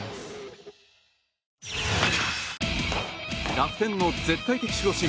楽天の絶対的守護神